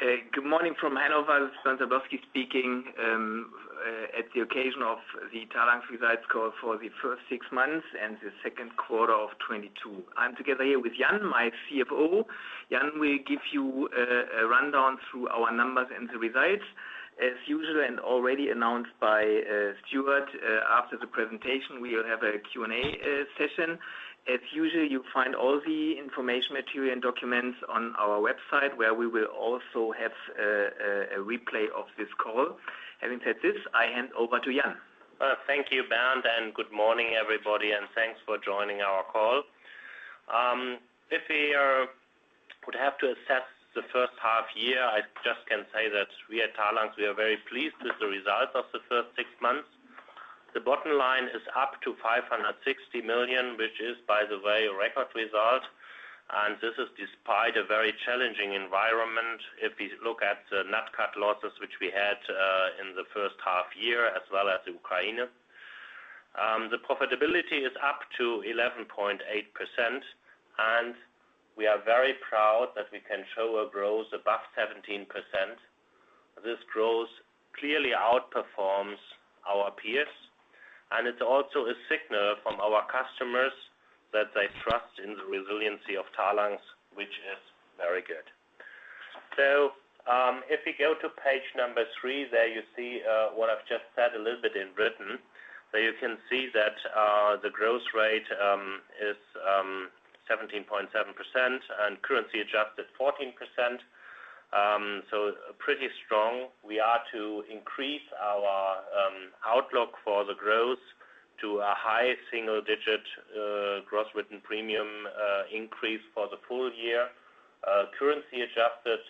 Good morning from Hanover. Bernd Sablowsky speaking, at the occasion of the Talanx's results call for the first six months and the second quarter of 2022. I'm together here with Jan, my CFO. Jan will give you a rundown through our numbers and the results. As usual, and already announced by Stuart, after the presentation, we'll have a Q&A session. As usual, you'll find all the information, material and documents on our website, where we will also have a replay of this call. Having said this, I hand over to Jan. Thank you, Bernd, and good morning, everybody, and thanks for joining our call. Would have to assess the first half year, I just can say that we at Talanx, we are very pleased with the results of the first six months. The bottom line is up to 560 million, which is, by the way, a record result. This is despite a very challenging environment. If you look at the nat cat losses, which we had, in the first half year, as well as Ukraine. The profitability is up to 11.8%, and we are very proud that we can show a growth above 17%. This growth clearly outperforms our peers, and it's also a signal from our customers that they trust in the resiliency of Talanx, which is very good. If you go to page three, there you see what I've just said a little bit in writing. There you can see that the growth rate is 17.7% and currency adjusted, 14%. Pretty strong. We are to increase our outlook for the growth to a high single digit growth written premium increase for the full year. Currency adjusted,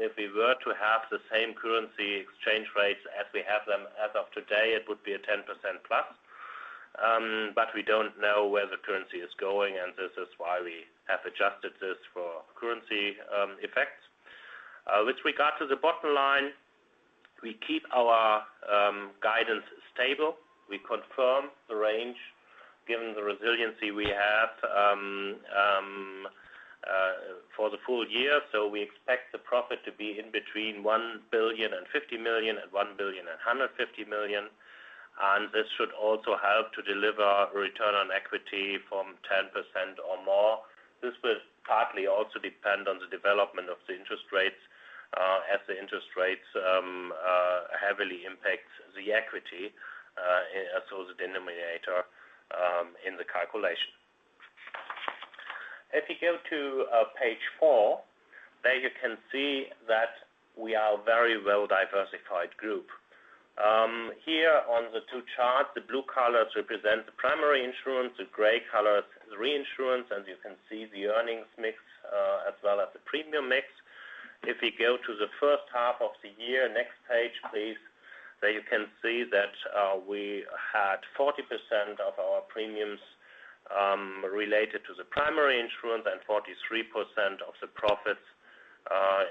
if we were to have the same currency exchange rates as we have them as of today, it would be a 10% plus. We don't know where the currency is going, and this is why we have adjusted this for currency effects. With regard to the bottom line, we keep our guidance stable. We confirm the range given the resiliency we have for the full year. We expect the profit to be in between 1.05 billion and 1.15 billion. This should also help to deliver return on equity of 10% or more. This will partly also depend on the development of the interest rates, as the interest rates heavily impact the equity as well as the denominator in the calculation. If you go to page four, there you can see that we are a very well-diversified group. Here on the two charts, the blue colors represent the primary insurance, the gray color is reinsurance, and you can see the earnings mix as well as the premium mix. If you go to the first half of the year, next page, please. There you can see that we had 40% of our premiums related to the primary insurance and 43% of the profits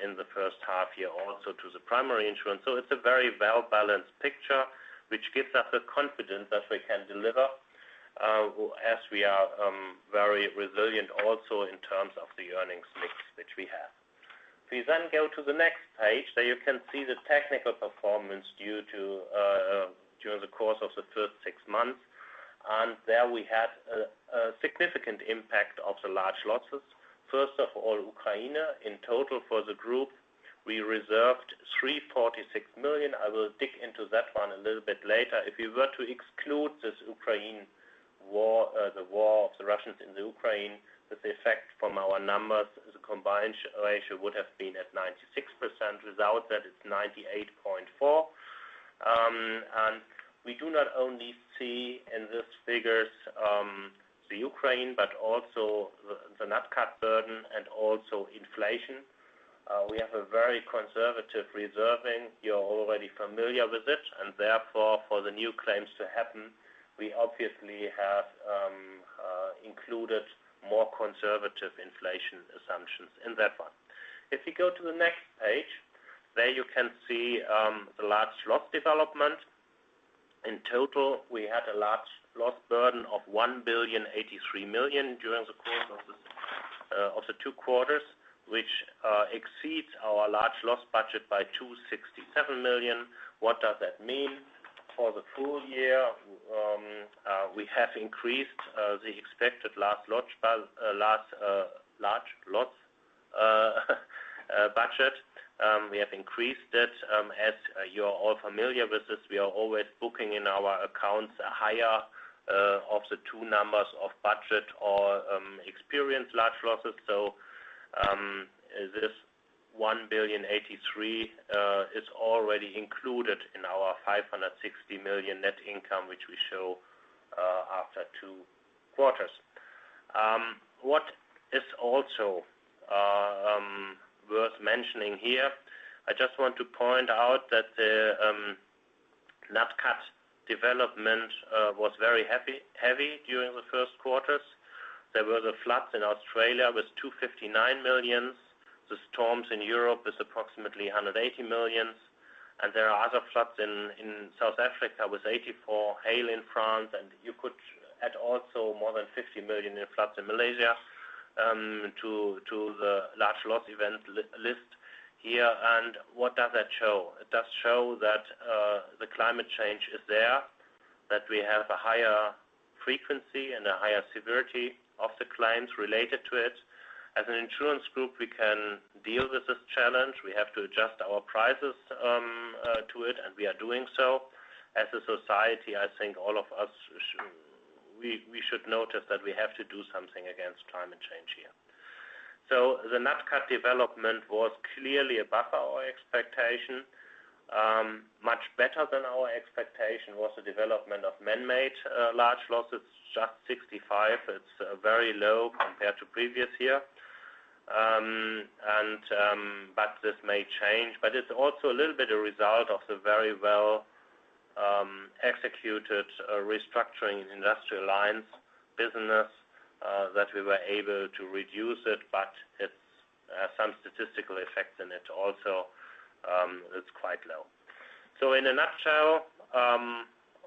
in the first half year also to the primary insurance. It's a very well-balanced picture, which gives us the confidence that we can deliver as we are very resilient also in terms of the earnings mix which we have. Please go to the next page. There you can see the technical performance during the course of the first six months. There we had a significant impact of the large losses. First of all, Ukraine. In total, for the group, we reserved 346 million. I will dig into that one a little bit later. If you were to exclude this Ukraine war, the war of the Russians in Ukraine, the effect from our numbers, the combined ratio would have been at 96%. Without that, it's 98.4%. We do not only see in these figures the Ukraine, but also the Nat Cat burden and also inflation. We have a very conservative reserving. You're already familiar with it, and therefore, for the new claims to happen, we obviously have included more conservative inflation assumptions in that one. If you go to the next page, there you can see the large loss development. In total, we had a large loss burden of 1,083 million during the course of the two quarters, which exceeds our large loss budget by 267 million. What does that mean? For the full year, we have increased the expected large loss budget. We have increased it. As you're all familiar with this, we are always booking in our accounts higher of the two numbers of budget or experience large losses. This 1,083 million is already included in our 560 million net income, which we show after two quarters. What is also worth mentioning here, I just want to point out that the Nat Cat development was very heavy during the first quarters. There were the floods in Australia with 259 million. The storms in Europe is approximately 180 million. There are other floods in South Africa with 84 million, hail in France, and you could add also more than 50 million in floods in Malaysia, to the large loss event list here. What does that show? It does show that the climate change is there, that we have a higher frequency and a higher severity of the claims related to it. As an insurance group, we can deal with this challenge. We have to adjust our prices to it, and we are doing so. As a society, I think all of us, we should notice that we have to do something against climate change here. The Nat Cat development was clearly above our expectation. Much better than our expectation was the development of man-made large losses, just 65 million. It's very low compared to previous year, but this may change. It's also a little bit a result of the very well executed restructuring in Industrial Lines business that we were able to reduce it, but it's some statistical effect in it also is quite low. In a nutshell,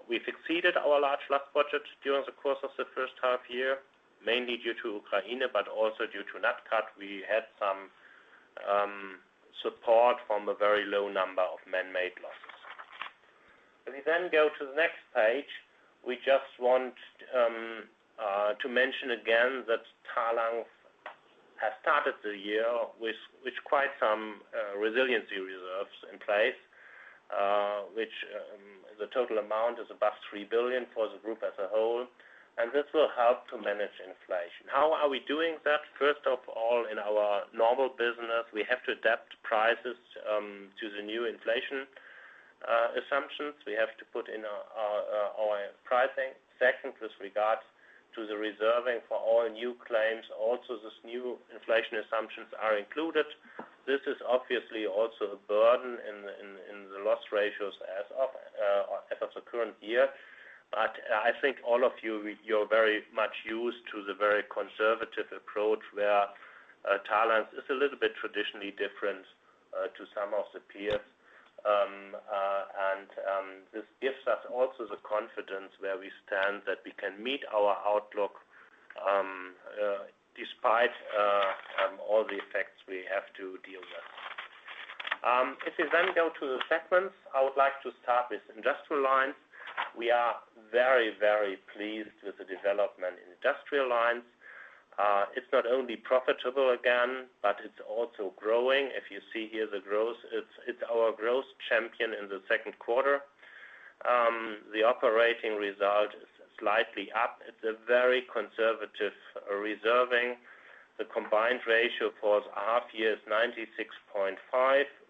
we've exceeded our large loss budget during the course of the first half year, mainly due to Ukraine, but also due to Nat Cat. We had some support from a very low number of man-made losses. If we then go to the next page, we just want to mention again that Talanx has started the year with quite some resiliency reserves in place, which the total amount is above 3 billion for the group as a whole, and this will help to manage inflation. How are we doing that? First of all, in our normal business, we have to adapt prices to the new inflation assumptions. We have to put in our pricing. Second, with regards to the reserving for all new claims, also, this new inflation assumptions are included. This is obviously also a burden in the loss ratios as of the current year. I think all of you're very much used to the very conservative approach where Talanx is a little bit traditionally different to some of the peers. This gives us also the confidence where we stand that we can meet our outlook, despite all the effects we have to deal with. If we go to the segments, I would like to start with Industrial Lines. We are very, very pleased with the development in Industrial Lines. It's not only profitable again, but it's also growing. If you see here the growth, it's our growth champion in the second quarter. The operating result is slightly up. It's a very conservative reserving. The combined ratio for the half year is 96.5%.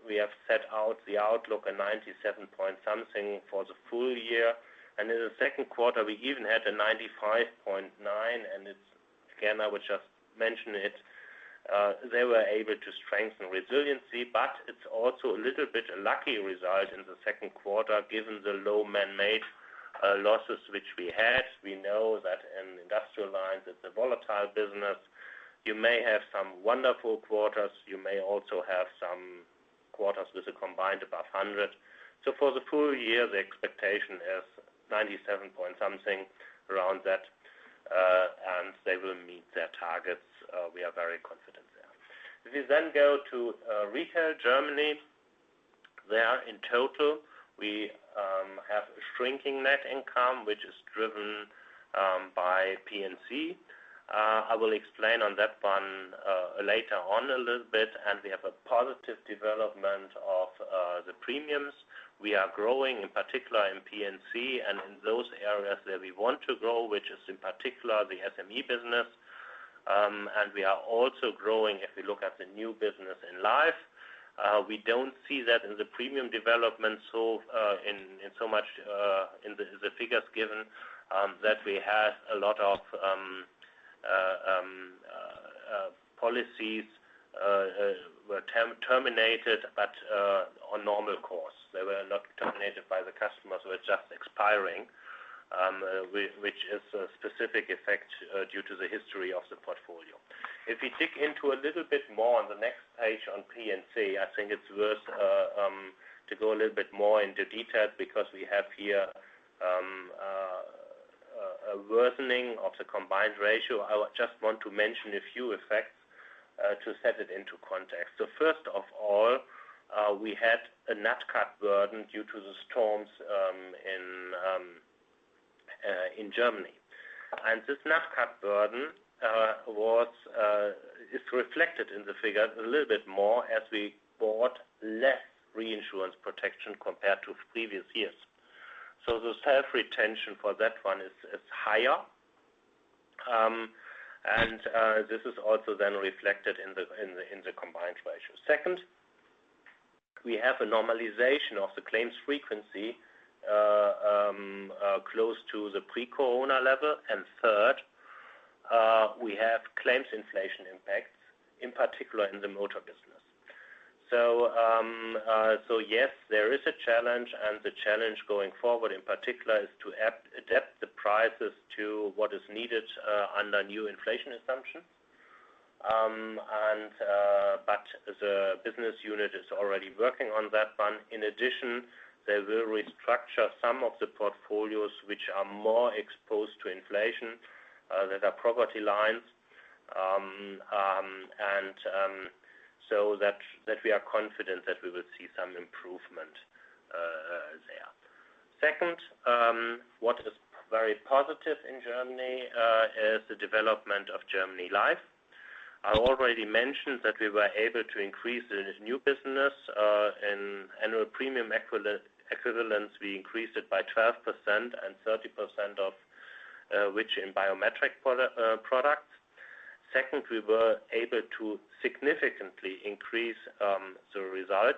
We have set out the outlook at 97.% something for the full year. In the second quarter, we even had a 95.9%, and it's, again, I would just mention it, they were able to strengthen resiliency, but it's also a little bit a lucky result in the second quarter, given the low man-made losses which we had. We know that in Industrial Lines, it's a volatile business. You may have some wonderful quarters. You may also have some quarters with a combined above 100%. For the full year, the expectation is 97.% something, around that, and they will meet their targets. We are very confident there. If we then go to Retail Germany, there in total, we have a shrinking net income, which is driven by P&C. I will explain on that one later on a little bit. We have a positive development of the premiums. We are growing, in particular in P&C and in those areas where we want to grow, which is in particular the SME business. We are also growing, if we look at the new business in Life. We don't see that in the premium development, so in so much in the figures given that we had a lot of policies were terminated, but on normal course. They were not terminated by the customers, they were just expiring, which is a specific effect due to the history of the portfolio. If we dig into a little bit more on the next page on P&C, I think it's worth to go a little bit more into detail because we have here a worsening of the combined ratio. I just want to mention a few effects to set it into context. First of all, we had a Nat Cat burden due to the storms in Germany. This Nat Cat burden is reflected in the figures a little bit more as we bought less reinsurance protection compared to previous years. The self-retention for that one is higher. This is also then reflected in the combined ratio. Second, we have a normalization of the claims frequency close to the pre-corona level. Third, we have claims inflation impacts, in particular in the motor business. Yes, there is a challenge, and the challenge going forward, in particular, is to adapt the prices to what is needed under new inflation assumption. But the business unit is already working on that one. In addition, they will restructure some of the portfolios which are more exposed to inflation, that are property lines. That we are confident that we will see some improvement there. Second, what is very positive in Germany is the development of Germany Life. I already mentioned that we were able to increase the new business in annual premium equivalence. We increased it by 12% and 30% of which in biometric products. Second, we were able to significantly increase the result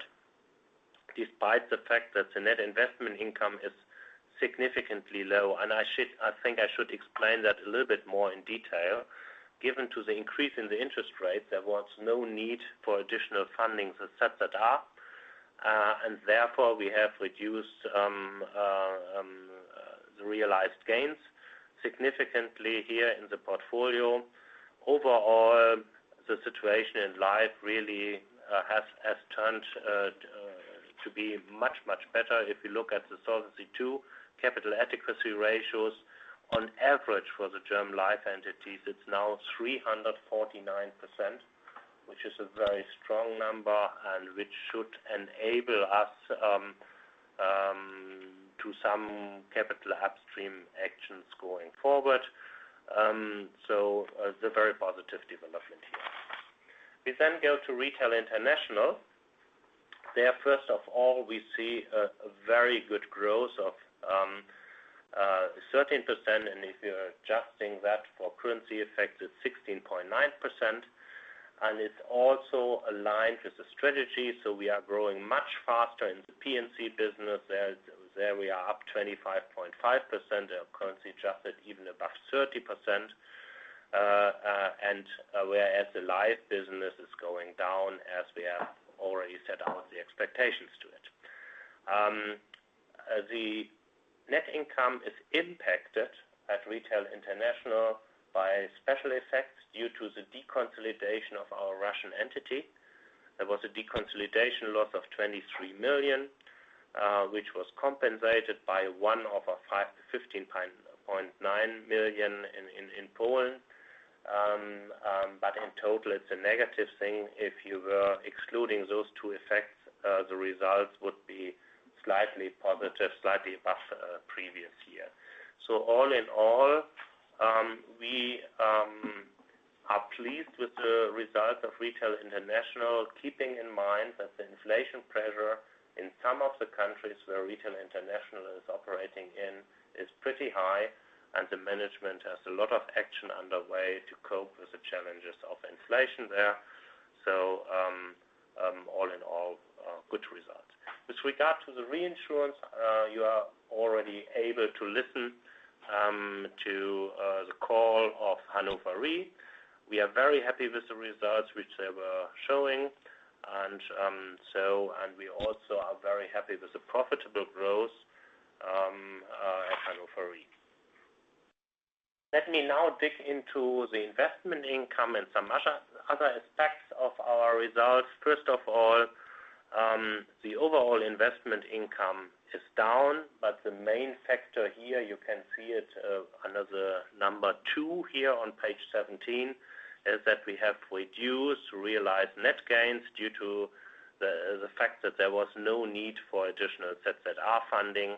despite the fact that the net investment income is significantly low. I think I should explain that a little bit more in detail. Given the increase in the interest rate, there was no need for additional funding for Zinszusatzreserve. Therefore, we have reduced the realized gains significantly here in the portfolio. Overall, the situation in Life has turned to be much, much better. If you look at the Solvency II capital adequacy ratios, on average for the German Life entities, it's now 349%, which is a very strong number and which should enable us to some capital upstream actions going forward. It's a very positive development here. We go to Retail International. First of all, we see a very good growth of 13%, and if you're adjusting that for currency effect, it's 16.9%. It's also aligned with the strategy, so we are growing much faster in the P&C business. We are up 25.5% currency adjusted, even above 30%. Whereas the Life business is going down as we have already set out the expectations to it. The net income is impacted at Retail International by special effects due to the deconsolidation of our Russian entity. There was a deconsolidation loss of 23 million, which was compensated by one-off 15.9 million in Poland. In total, it's a negative thing. If you were excluding those two effects, the results would be slightly positive, slightly above previous year. All in all, we are pleased with the result of Retail International, keeping in mind that the inflation pressure in some of the countries where Retail International is operating in is pretty high, and the management has a lot of action underway to cope with the challenges of inflation there. All in all, good results. With regard to the reinsurance, you are already able to listen to the call of Hannover Re. We are very happy with the results which they were showing and we also are very happy with the profitable growth at Hannover Re. Let me now dig into the investment income and some other aspects of our results. First of all, the overall investment income is down, but the main factor here, you can see it, under the number two here on page 17, is that we have reduced realized net gains due to the fact that there was no need for additional Zinszusatzreserve funding.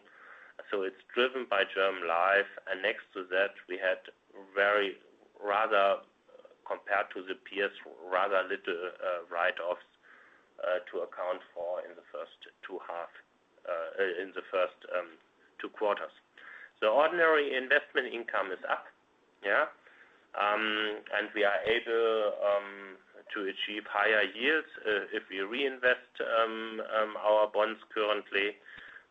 It's driven by German Life. Next to that, we had rather little, compared to the peers, write-offs to account for in the first 2 quarters. The ordinary investment income is up. We are able to achieve higher yields if we reinvest our bonds currently.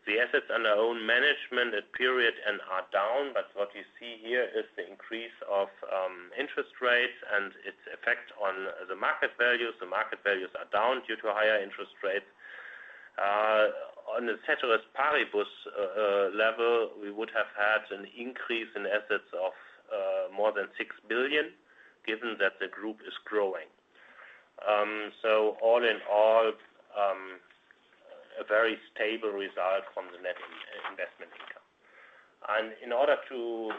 The assets under own management at period end are down, but what you see here is the increase of interest rates and its effect on the market values. The market values are down due to higher interest rates. On a consolidated level, we would have had an increase in assets of more than 6 billion, given that the group is growing. All in all, a very stable result from the net investment income. In order to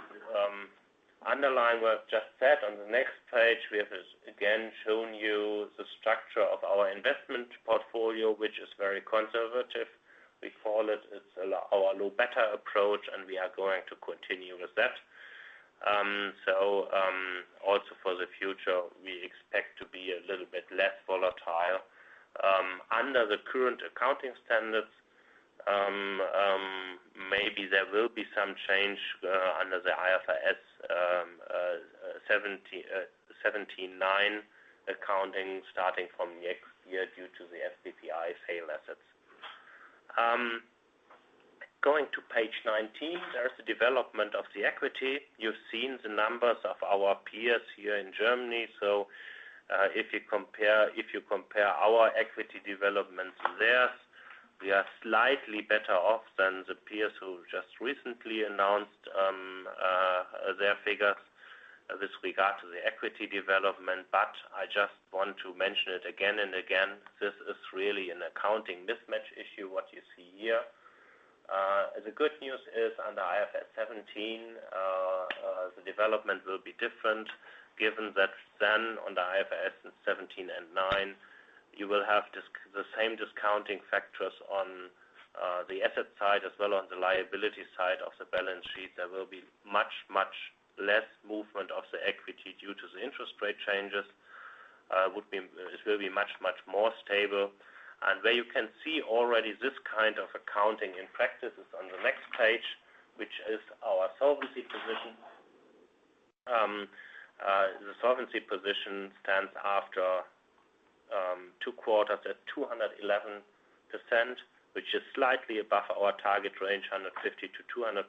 underline what I've just said, on the next page, we have again shown you the structure of our investment portfolio, which is very conservative. We call it as our low beta approach, and we are going to continue with that. Also for the future, we expect to be a little bit less volatile under the current accounting standards. Maybe there will be some change under the IFRS 17 and 9 accounting starting from next year due to the FVPL assets. Going to page 19, there is the development of the equity. You've seen the numbers of our peers here in Germany. If you compare our equity developments to theirs, we are slightly better off than the peers who just recently announced their figures with regard to the equity development. I just want to mention it again and again, this is really an accounting mismatch issue, what you see here. The good news is under IFRS 17, the development will be different given that then on the IFRS 17 and 9, you will have the same discounting factors on the asset side as well on the liability side of the balance sheet. There will be much, much less movement of the equity due to the interest rate changes. It will be much, much more stable. Where you can see already this kind of accounting in practice is on the next page, which is our Solvency position. The Solvency position stands after two quarters at 211%, which is slightly above our target range, 150%-200%.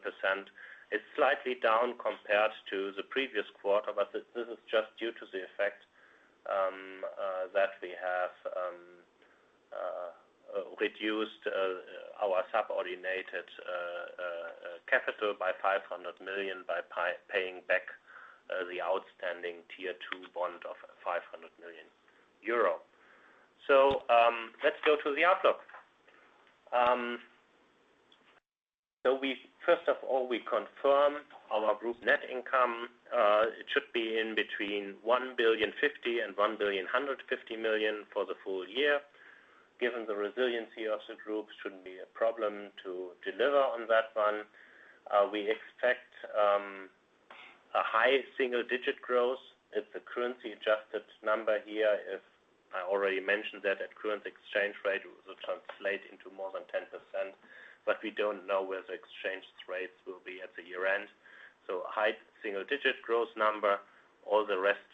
It's slightly down compared to the previous quarter, but this is just due to the effect that we have reduced our subordinated capital by 500 million by paying back the outstanding Tier 2 bond of 500 million euro. Let's go to the outlook. First of all, we confirm our group net income. It should be in between 1.05 billion and 1.15 billion for the full year. Given the resiliency of the group shouldn't be a problem to deliver on that one. We expect a high single-digit growth at the currency-adjusted number here, as I already mentioned that at current exchange rate will translate into more than 10%, but we don't know where the exchange rates will be at the year-end. High single-digit growth number, all the rest,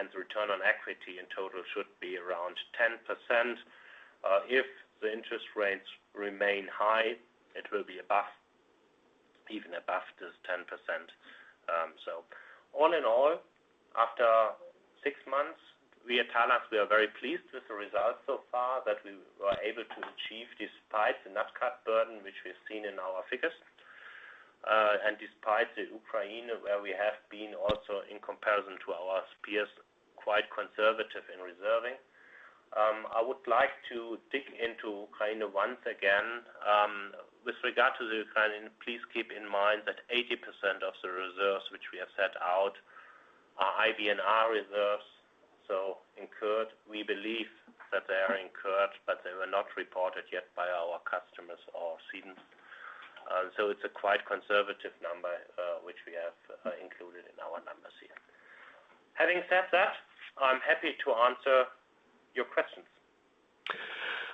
and the return on equity in total should be around 10%. If the interest rates remain high, it will be above, even above this 10%. All in all, after six months, we at Talanx, we are very pleased with the results so far that we were able to achieve despite the Nat Cat burden, which we've seen in our figures, and despite the Ukraine, where we have been also in comparison to our peers, quite conservative in reserving. I would like to dig into kind of once again, with regard to the Ukraine, please keep in mind that 80% of the reserves which we have set out are IBNR reserves, so incurred. We believe that they are incurred, but they were not reported yet by our customers or cedents. It's a quite conservative number, which we have included in our numbers here. Having said that, I'm happy to answer your questions.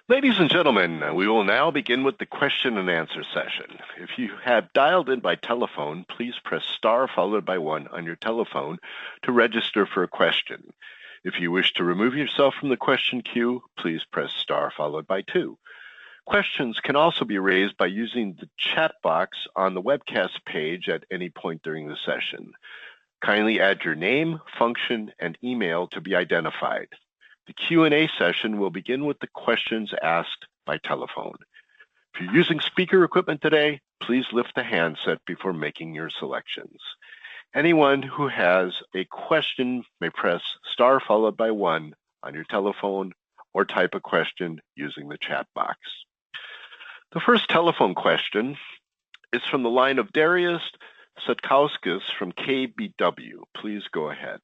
Ladies and gentlemen, we will now begin with the question-and-answer session. If you have dialed in by telephone, please press star followed by one on your telephone to register for a question. If you wish to remove yourself from the question queue, please press star followed by two. Questions can also be raised by using the chat box on the webcast page at any point during the session. Kindly add your name, function, and email to be identified. The Q&A session will begin with the questions asked by telephone. If you're using speaker equipment today, please lift the handset before making your selections. Anyone who has a question may press star followed by one on your telephone or type a question using the chat box. The first telephone question is from the line of Darius Satkauskas from KBW. Please go ahead.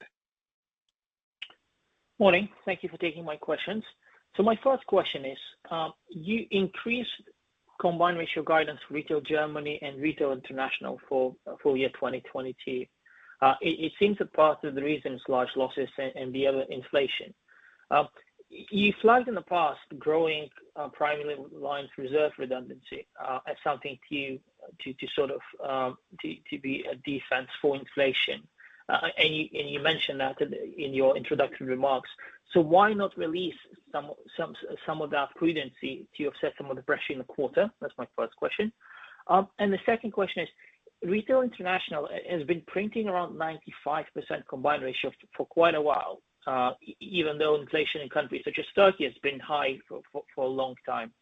Morning. Thank you for taking my questions. My first question is, you increased combined ratio guidance, Retail Germany and Retail International for full year 2022. It seems that part of the reason is large losses and the other inflation. You flagged in the past growing primary lines reserve redundancy as something to sort of to be a defense for inflation. And you mentioned that in your introductory remarks. Why not release some of that prudence to offset some of the pressure in the quarter? That's my first question. And the second question is, Retail International has been printing around 95% combined ratio for quite a while, even though inflation in countries such as Turkey has been high for a long time.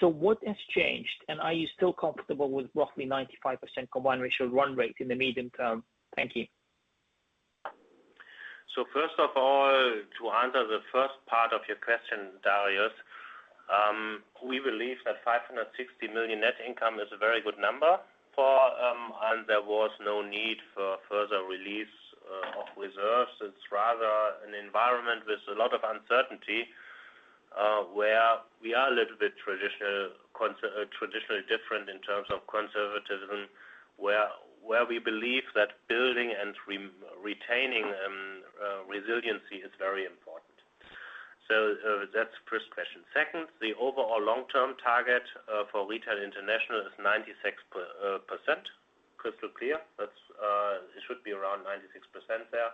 What has changed, and are you still comfortable with roughly 95% combined ratio run rate in the medium term? Thank you. First of all, to answer the first part of your question, Darius, we believe that 560 million net income is a very good number for, and there was no need for further release of reserves. It's rather an environment with a lot of uncertainty, where we are a little bit traditionally different in terms of conservatism, where we believe that building and retaining resiliency is very important. That's first question. Second, the overall long-term target for Retail International is 96%. Crystal clear. That's it should be around 96% there.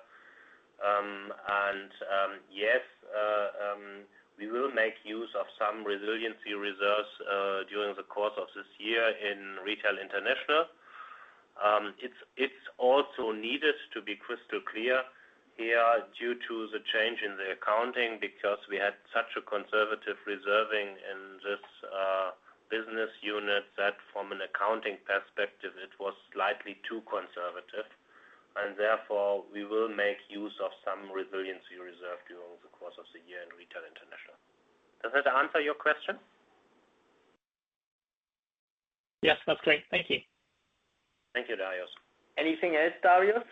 Yes, we will make use of some resiliency reserves during the course of this year in Retail International. It's also needed to be crystal clear here due to the change in the accounting, because we had such a conservative reserving in this business unit that from an accounting perspective, it was slightly too conservative, and therefore, we will make use of some resiliency reserve during the course of the year in Retail International. Does that answer your question? Yes, that's great. Thank you. Thank you, Darius. Anything else, Darius?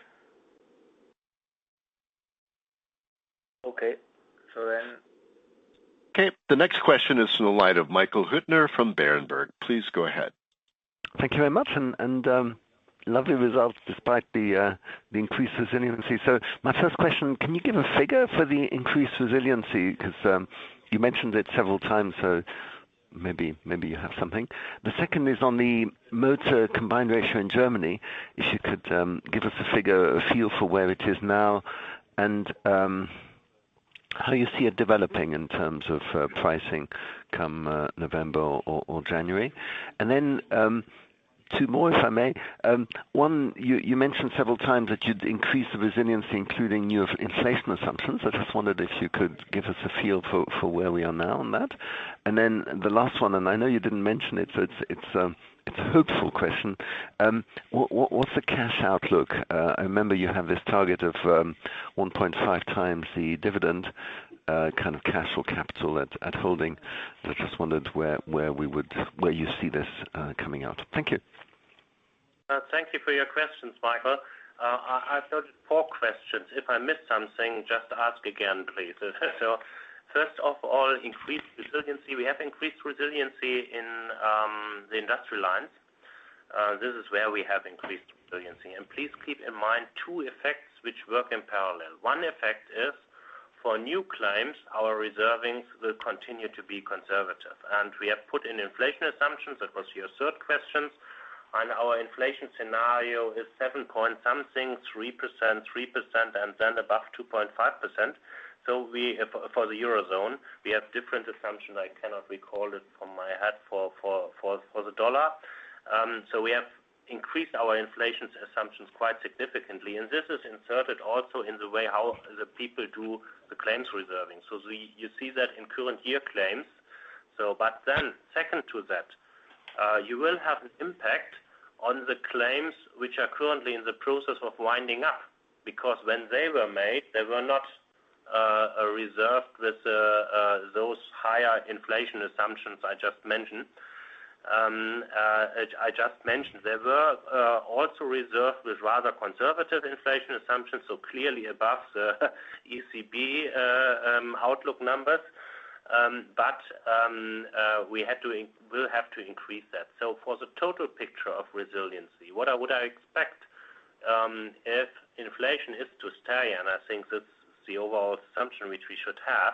Okay. Okay, the next question is from the line of Michael Huttner from Berenberg. Please go ahead. Thank you very much. Lovely results despite the increased resiliency. My first question, can you give a figure for the increased resiliency? 'Cause you mentioned it several times, so maybe you have something. The second is on the motor combined ratio in Germany, if you could give us a figure, a feel for where it is now and how you see it developing in terms of pricing come November or January. Two more, if I may. One, you mentioned several times that you'd increase the resiliency, including new inflation assumptions. I just wondered if you could give us a feel for where we are now on that. The last one, and I know you didn't mention it, so it's a hopeful question. What's the cash outlook? I remember you have this target of 1.5 times the dividend, kind of cash or capital at holding. I just wondered where you see this coming out. Thank you. Thank you for your questions, Michael. I noted four questions. If I missed something, just ask again, please. First of all, increased resiliency. We have increased resiliency in the Industrial Lines. This is where we have increased resiliency. Please keep in mind two effects which work in parallel. One effect is for new claims, our reservings will continue to be conservative. We have put in inflation assumptions. That was your third question. Our inflation scenario is 7.3%, 3%, and then above 2.5%. We have different assumptions for the Eurozone. I cannot recall it from my head for the dollar. We have increased our inflation assumptions quite significantly. This is inserted also in the way how the people do the claims reserving. You see that in current year claims. Second to that, you will have an impact on the claims which are currently in the process of winding up, because when they were made, they were not reserved with those higher inflation assumptions I just mentioned. They were also reserved with rather conservative inflation assumptions, so clearly above the ECB outlook numbers. We'll have to increase that. For the total picture of resiliency, what I would expect, if inflation is to stay, and I think that's the overall assumption which we should have,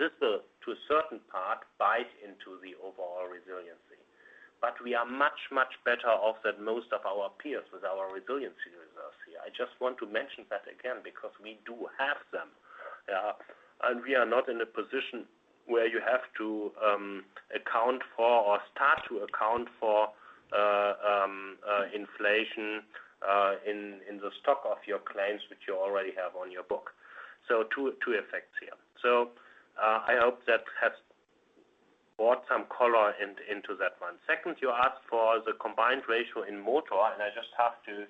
this will, to a certain part, buy into the overall resiliency. We are much, much better off than most of our peers with our resiliency reserves here. I just want to mention that again because we do have them, and we are not in a position where you have to account for or start to account for inflation in the stock of your claims, which you already have on your book. Two effects here. I hope that has brought some color into that one. Second, you asked for the combined ratio in motor, and I just have to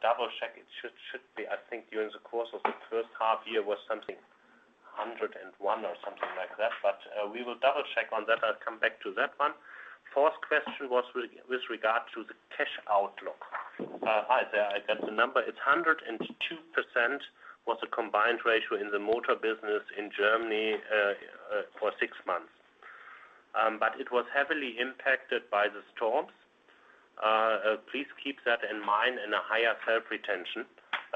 double-check. It should be, I think during the course of the first half year was something 101 or something like that. We will double-check on that. I'll come back to that one. Fourth question was with regard to the cash outlook. I got the number. It was 102% was the combined ratio in the motor business in Germany for six months. It was heavily impacted by the storms. Please keep that in mind in a higher self-retention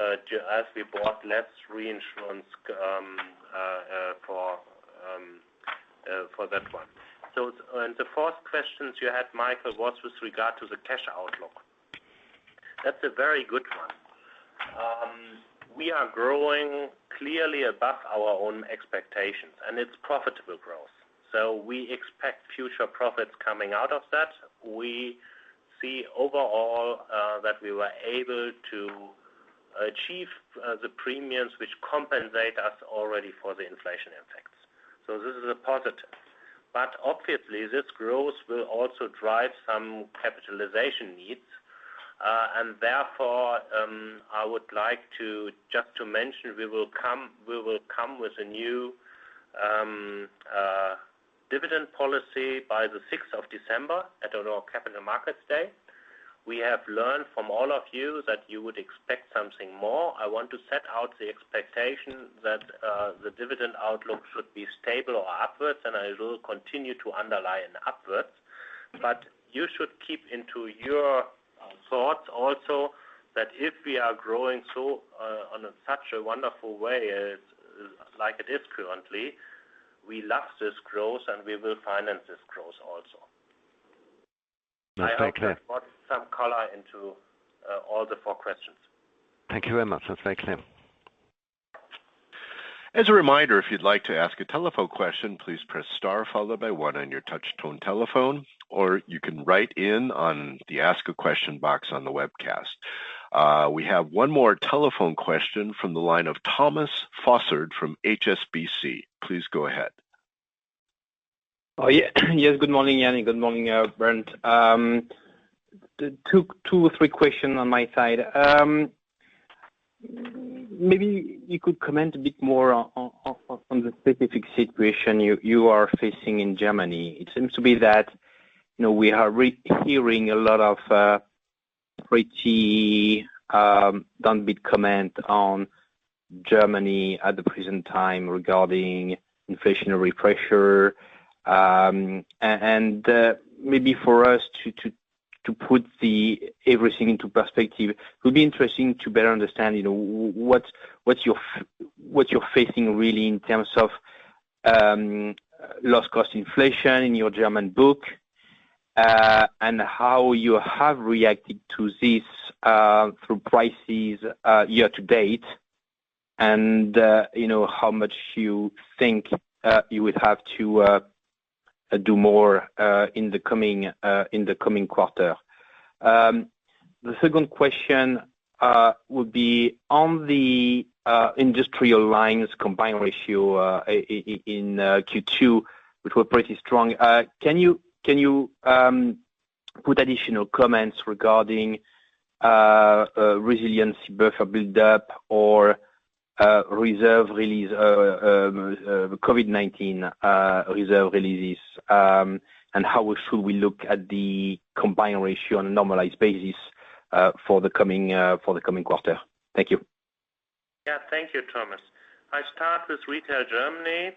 as we bought less reinsurance for that one. The fourth question you had, Michael, was with regard to the cash outlook. That's a very good one. We are growing clearly above our own expectations, and it's profitable growth. We expect future profits coming out of that. We see overall that we were able to achieve the premiums which compensate us already for the inflation effects. This is a positive. Obviously, this growth will also drive some capitalization needs. Therefore, I would like to mention, we will come with a new dividend policy by the sixth of December at our Capital Markets Day. We have learned from all of you that you would expect something more. I want to set out the expectation that the dividend outlook should be stable or upwards, and I will continue to underline upwards. You should keep in your thoughts also that if we are growing so on such a wonderful way as like it is currently, we love this growth, and we will finance this growth also. That's very clear. I hope that brought some color into all the four questions. Thank you very much. That's very clear. As a reminder, if you'd like to ask a telephone question, please press star followed by one on your touchtone telephone, or you can write in on the ask a question box on the webcast. We have one more telephone question from the line of Thomas Fossard from HSBC. Please go ahead. Oh, yeah. Yes, good morning, Jan, and good morning, Bernd. Two or three questions on my side. Maybe you could comment a bit more on the specific situation you are facing in Germany. It seems that, you know, we are hearing a lot of pretty downbeat comments on Germany at the present time regarding inflationary pressure. Maybe for us to put everything into perspective, it would be interesting to better understand, you know, what you're facing really in terms of loss cost inflation in your German book, and how you have reacted to this through prices year to date. You know, how much you think you would have to do more in the coming quarter. The second question would be on the Industrial Lines combined ratio in Q2, which were pretty strong. Can you put additional comments regarding a resiliency buffer build-up or reserve release, the COVID-19 reserve releases? And how should we look at the combined ratio on a normalized basis for the coming quarter? Thank you. Yeah. Thank you, Thomas. I start with Retail Germany.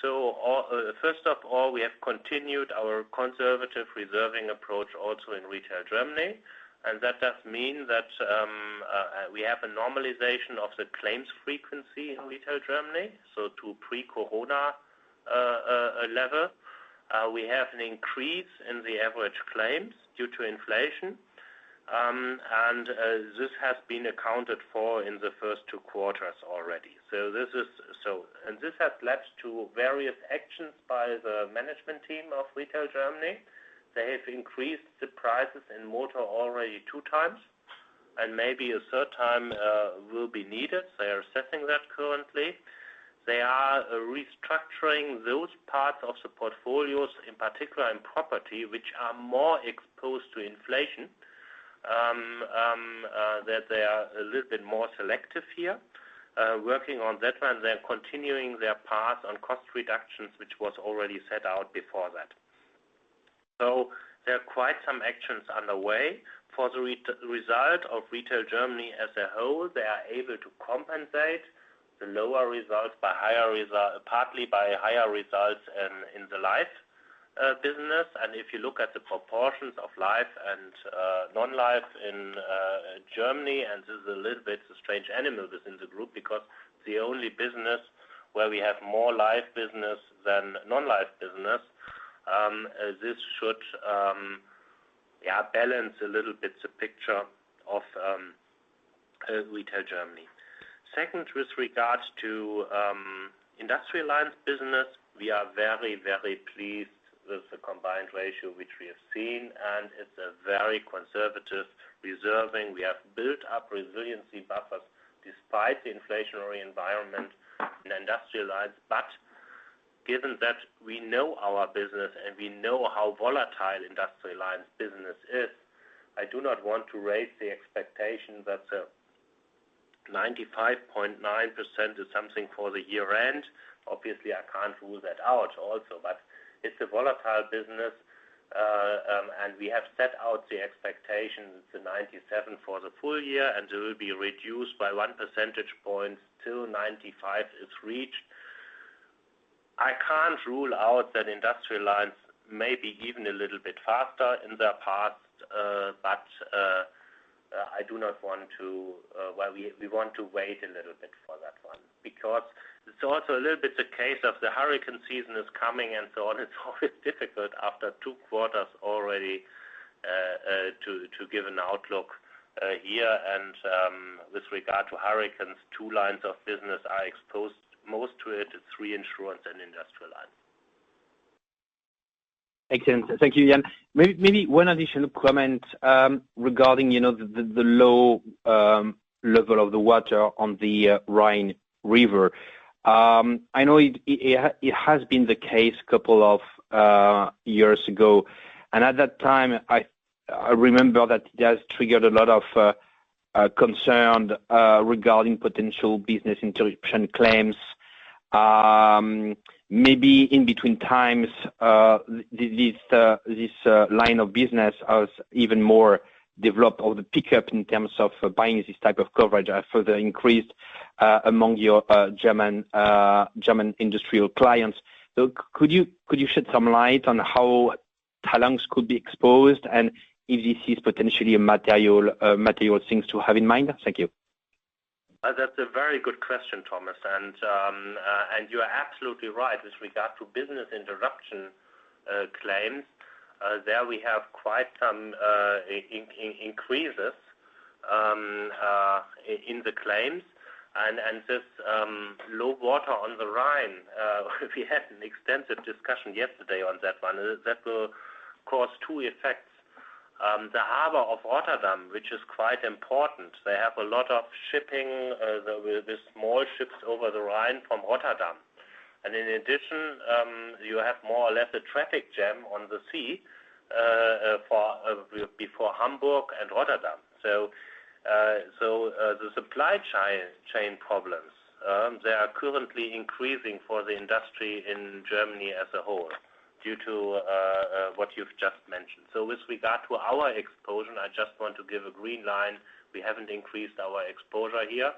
First of all, we have continued our conservative reserving approach also in Retail Germany, and that does mean that we have a normalization of the claims frequency in Retail Germany to pre-COVID level. We have an increase in the average claims due to inflation, and this has been accounted for in the first two quarters already. This has led to various actions by the management team of Retail Germany. They have increased the prices in motor already two times, and maybe a third time will be needed. They are assessing that currently. They are restructuring those parts of the portfolios, in particular in property, which are more exposed to inflation. They are a little bit more selective here, working on that one. They're continuing their path on cost reductions, which was already set out before that. There are quite some actions underway. For the result of Retail Germany as a whole, they are able to compensate the lower results partly by higher results in the life business. If you look at the proportions of life and non-life in Germany, this is a little bit a strange animal within the group because the only business where we have more life business than non-life business. This should balance a little bit the picture of Retail Germany. Second, with regards to Industrial Lines business, we are very, very pleased with the combined ratio which we have seen, and it's a very conservative reserving. We have built up resiliency buffers despite the inflationary environment in Industrial Lines. Given that we know our business and we know how volatile Industrial Lines business is, I do not want to raise the expectation that 95.9% is something for the year-end. Obviously, I can't rule that out also, but it's a volatile business. We have set out the expectation, the 97% for the full year, and it will be reduced by one percentage point till 95% is reached. I can't rule out that Industrial Lines may be even a little bit faster in their path. Well, we want to wait a little bit for that one because it's also a little bit the case of the hurricane season is coming, and so on. It's always difficult after two quarters already to give an outlook here. With regard to hurricanes, two lines of business are exposed most to it, Reinsurance and Industrial Lines. Excellent. Thank you, Jan. Maybe one additional comment, regarding, you know, the low level of the water on the Rhine River. I know it has been the case couple of years ago. At that time, I remember that it has triggered a lot of concern regarding potential business interruption claims. Maybe in between times, this line of business has even more developed or the pickup in terms of buying this type of coverage has further increased among your German industrial clients. Could you shed some light on how Talanx could be exposed and if this is potentially a material thing to have in mind? Thank you. That's a very good question, Thomas. You are absolutely right with regard to business interruption claims. There we have quite some increases in the claims and this low water on the Rhine, we had an extensive discussion yesterday on that one. That will cause two effects. The harbor of Rotterdam, which is quite important. They have a lot of shipping, the small ships over the Rhine from Rotterdam. In addition, you have more or less a traffic jam on the sea off before Hamburg and Rotterdam. The supply chain problems, they are currently increasing for the industry in Germany as a whole due to what you've just mentioned. With regard to our exposure, I just want to give a green light. We haven't increased our exposure here.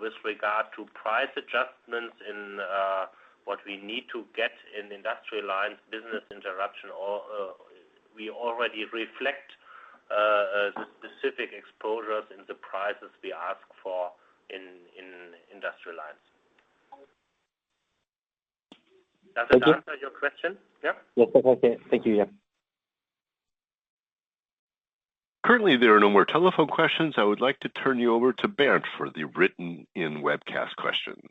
With regard to price adjustments in what we need to get in Industrial Lines, business interruption, or we already reflect the specific exposures in the prices we ask for in Industrial Lines. Thank you. Does that answer your question, yeah? Yes, that's okay. Thank you, yeah. Currently, there are no more telephone questions. I would like to turn you over to Bernd for the written in webcast questions.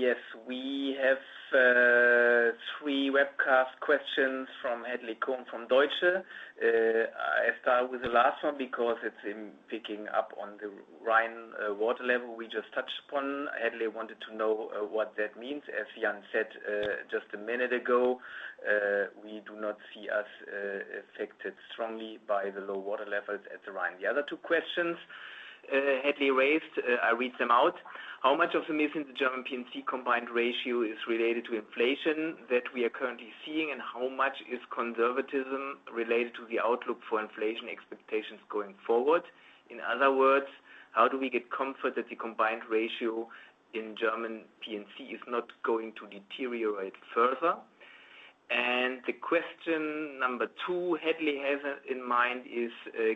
Yes. We have three webcast questions from Hadley Cohen from Deutsche. I start with the last one because it's picking up on the Rhine water level we just touched upon. Hadley wanted to know what that means. As Jan said just a minute ago, we do not see us affected strongly by the low water levels at the Rhine. The other two questions Hadley raised, I read them out. How much of the missing German P&C combined ratio is related to inflation that we are currently seeing, and how much is conservatism related to the outlook for inflation expectations going forward? In other words, how do we get comfort that the combined ratio in German P&C is not going to deteriorate further? The question number two Hadley has in mind is,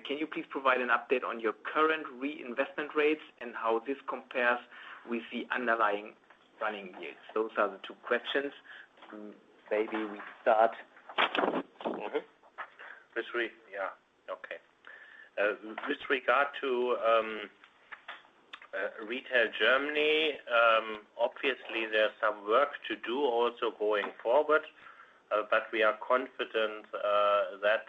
can you please provide an update on your current reinvestment rates and how this compares with the underlying running yields? Those are the two questions. Maybe we start. With regard to Retail Germany, obviously there's some work to do also going forward, but we are confident that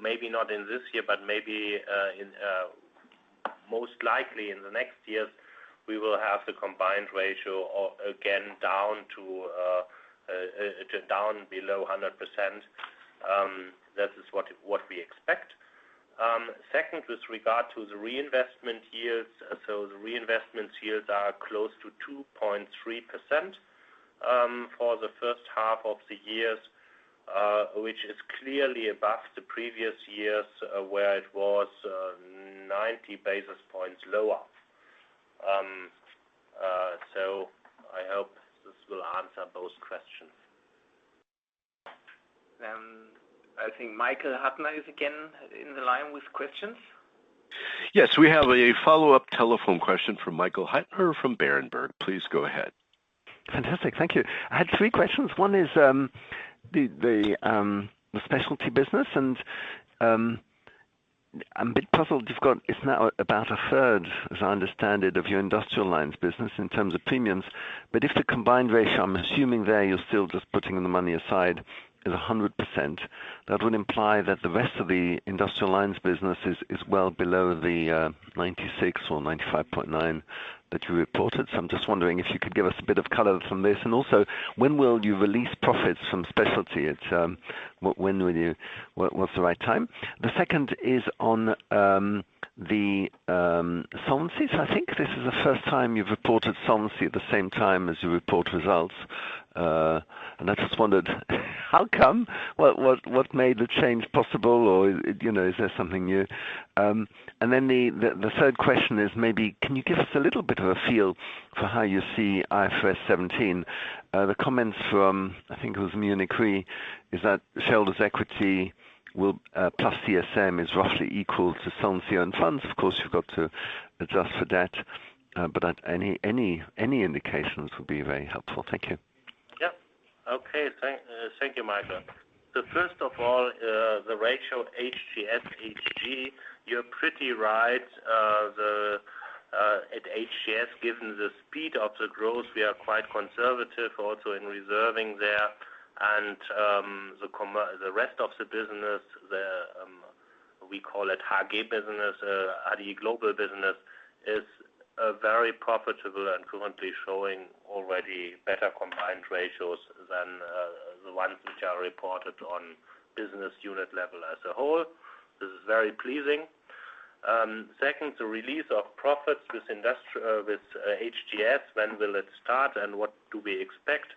maybe not in this year, but maybe in most likely in the next years, we will have the combined ratio down below 100%. That is what we expect. Second, with regard to the reinvestment yields. The reinvestment yields are close to 2.3% for the first half of the year, which is clearly above the previous years, where it was 90 basis points lower. I hope this will answer both questions. I think Michael Huttner is again in the line with questions. Yes. We have a follow-up telephone question from Michael Huttner from Berenberg. Please go ahead. Fantastic. Thank you. I had three questions. One is the specialty business and I'm a bit puzzled you've got it's now about a third, as I understand it, of your Industrial Lines business in terms of premiums. If the combined ratio, I'm assuming there you're still just putting the money aside, is 100%, that would imply that the rest of the Industrial Lines business is well below the 96% or 95.9% that you reported. I'm just wondering if you could give us a bit of color from this. Also, when will you release profits from specialty? When will you... What is the right time? The second is on the Solvency. I think this is the first time you've reported Solvency at the same time as you report results. I just wondered how come? What made the change possible or, you know, is there something new? The third question is, maybe, can you give us a little bit of a feel for how you see IFRS 17? The comments from, I think it was Munich Re, is that shareholders equity will, plus CSM is roughly equal to Solvency II own funds. Of course, you've got to adjust for debt, but any indications would be very helpful. Thank you. Yeah. Okay. Thank you, Michael. First of all, the ratio HGS, HG, you're pretty right. At HGS, given the speed of the growth, we are quite conservative also in reserving there. The rest of the business, we call it HG business, HDI Global business, is very profitable and currently showing already better combined ratios than the ones which are reported on business unit level as a whole. This is very pleasing. Second, the release of profits with HGS, when will it start and what do we expect?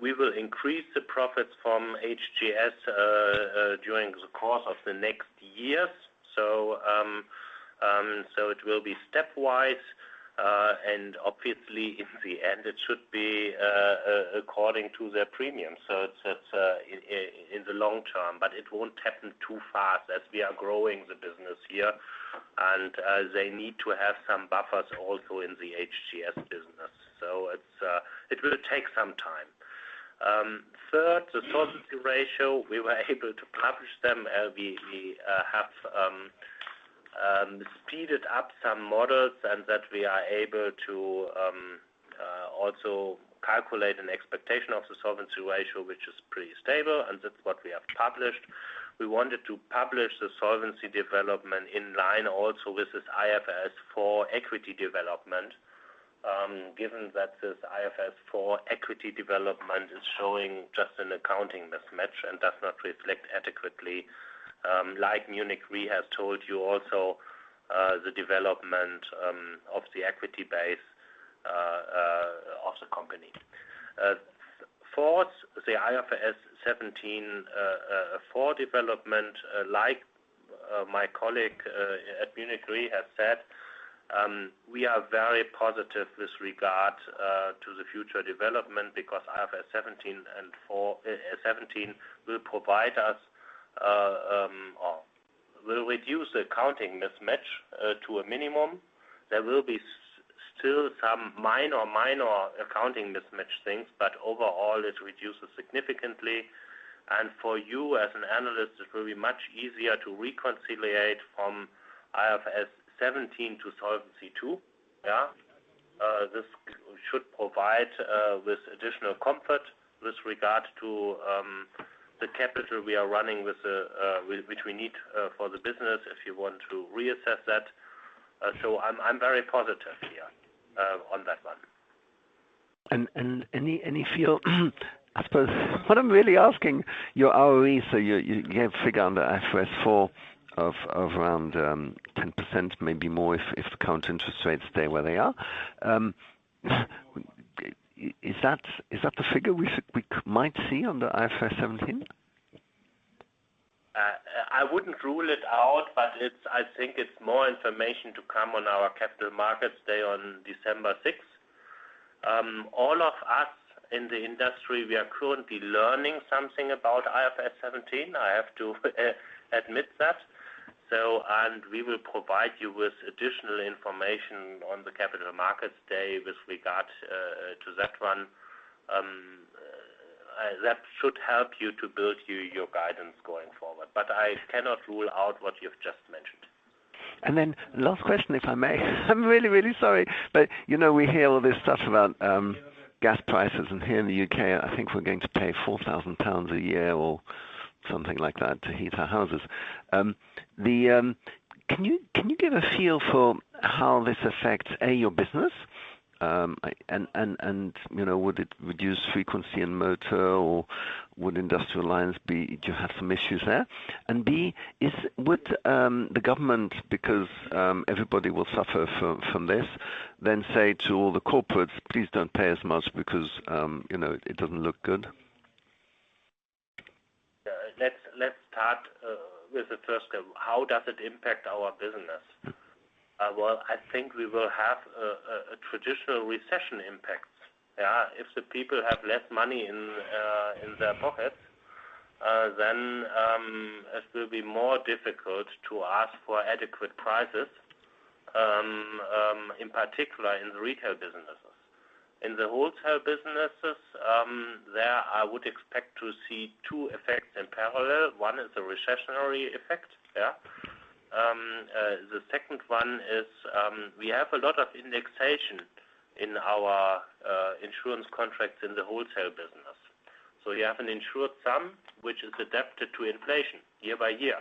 We will increase the profits from HGS during the course of the next years. It will be stepwise, and obviously in the end, it should be according to their premium. It's in the long term, but it won't happen too fast as we are growing the business here. They need to have some buffers also in the HGS business. It will take some time. Third, the Solvency ratio, we were able to publish them as we have speeded up some models and that we are able to also calculate an expectation of the Solvency ratio, which is pretty stable, and that's what we have published. We wanted to publish the Solvency development in line also with this IFRS 4 equity development, given that this IFRS 4 equity development is showing just an accounting mismatch and does not reflect adequately. Like Munich Re has told you also, the development of the equity base of the company. Fourth, the IFRS 17 and IFRS 4 development, like my colleague at Munich Re has said, we are very positive with regard to the future development because IFRS 17 will provide us or will reduce the accounting mismatch to a minimum. There will be still some minor accounting mismatch things, but overall it reduces significantly. For you as an analyst, it will be much easier to reconcile from IFRS 17 to Solvency II. Yeah. This should provide with additional comfort with regard to the capital we are running with, which we need for the business, if you want to reassess that. I'm very positive here on that one. Any feel I suppose what I'm really asking, your ROE, so you gave a figure on the IFRS 4 of around 10%, maybe more if the current interest rates stay where they are. Is that the figure we might see on the IFRS 17? I wouldn't rule it out, but I think it's more information to come on our Capital Markets Day on December sixth. All of us in the industry, we are currently learning something about IFRS 17. I have to admit that. We will provide you with additional information on the Capital Markets Day with regard to that one. That should help you to build your guidance going forward. I cannot rule out what you've just mentioned. Last question, if I may. I'm really sorry. You know, we hear all this stuff about gas prices, and here in the U.K., I think we're going to pay 4,000 pounds a year or something like that to heat our houses. Can you give a feel for how this affects, A, your business? You know, would it reduce frequency in motor or would Industrial Lines do you have some issues there? B, would the government, because everybody will suffer from this, then say to all the corporates, "Please don't pay as much because, you know, it doesn't look good"? Yeah. Let's start with the first, how does it impact our business? Well, I think we will have a traditional recession impact. Yeah. If the people have less money in their pockets, then it will be more difficult to ask for adequate prices in particular in the retail businesses. In the wholesale businesses, there I would expect to see two effects in parallel. One is the recessionary effect. Yeah. The second one is, we have a lot of indexation in our insurance contracts in the wholesale business. So we have an insured sum, which is adapted to inflation year by year.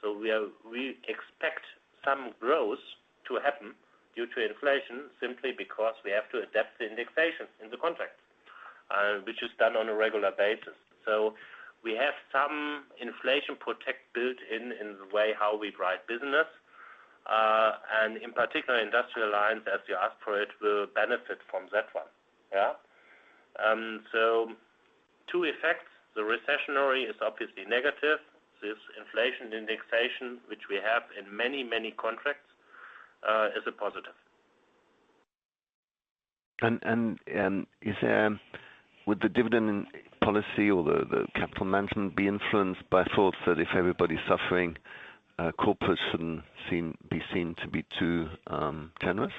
So we expect some growth to happen due to inflation simply because we have to adapt the indexation in the contract, which is done on a regular basis. We have some inflation protection built in the way how we write business. In particular, Industrial Lines, as you asked for it, will benefit from that one. Two effects. The recessionary is obviously negative. This inflation indexation, which we have in many, many contracts, is a positive. Would the dividend policy or the capital management be influenced by thoughts that if everybody's suffering, corporates shouldn't be seen to be too generous?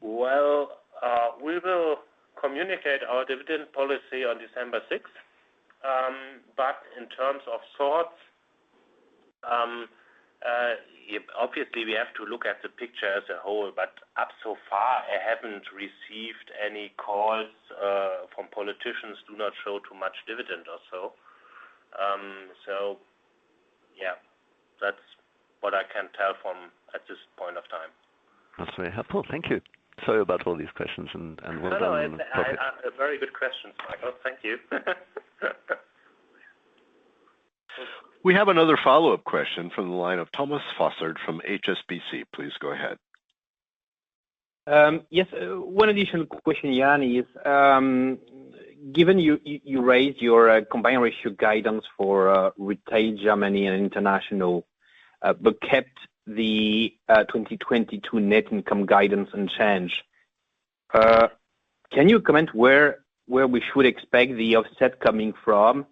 Well, we will communicate our dividend policy on December sixth. In terms of thoughts, obviously, we have to look at the picture as a whole. So far, I haven't received any calls from politicians, "do not show too much dividend or so." Yeah, that's what I can tell you at this point in time. That's very helpful. Thank you. Sorry about all these questions and well done on the profit. No, no. They're very good questions, Michael. Thank you. We have another follow-up question from the line of Thomas Fossard from HSBC. Please go ahead. Yes. One additional question, Jan, is, given you raised your combined ratio guidance for Retail Germany and International, but kept the 2022 net income guidance unchanged. Can you comment where we should expect the offset coming from,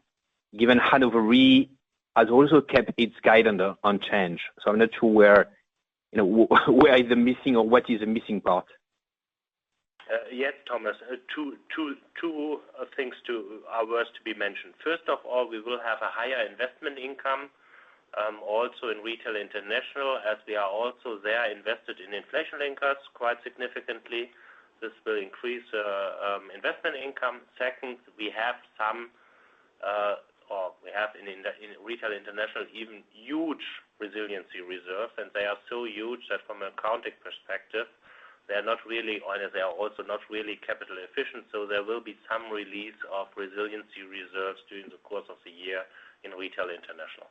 given Hannover Re has also kept its guidance unchanged? I'm not sure where, you know, where is the missing or what is the missing part? Yeah, Thomas. Two things to be mentioned. First of all, we will have a higher investment income also in Retail International, as we are also there invested in inflation linkers quite significantly. This will increase investment income. Second, we have some, or we have in Retail International, even huge resiliency reserves, and they are so huge that from an accounting perspective, they are not really, or they are also not really capital efficient. There will be some release of resiliency reserves during the course of the year in Retail International.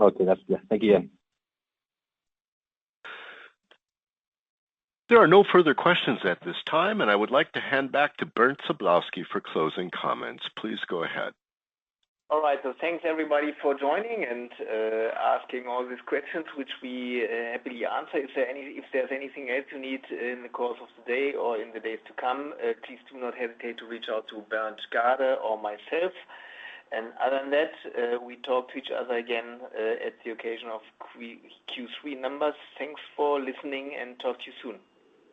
Okay. That's clear. Thank you, Jan. There are no further questions at this time, and I would like to hand back to Bernd Sablowsky for closing comments. Please go ahead. All right. Thanks everybody for joining and asking all these questions, which we happily answer. If there's anything else you need in the course of today or in the days to come, please do not hesitate to reach out to Bernd Sablowsky or myself. Other than that, we talk to each other again at the occasion of Q3 numbers. Thanks for listening, and talk to you soon.